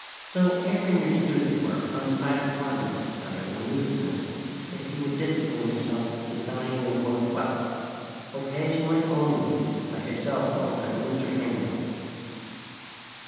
So err in your student work on the side of hardness rather than looseness, if you would discipline yourself to design your work well. Occasionally only let yourself go at a looser handling.